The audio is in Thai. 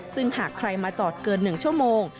ซึ่งหากใครมาจอดเกิน๑ชั่วโมง